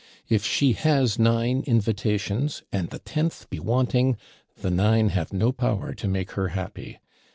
If she has nine invitations, and the tenth be wanting, the nine have no power to make her happy.